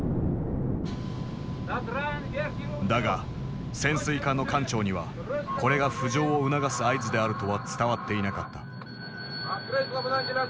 だが潜水艦の艦長にはこれが浮上を促す合図であるとは伝わっていなかった。